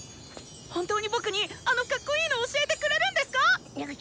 本当に僕にあのカッコイイの教えてくれるんですか⁉ぐっ。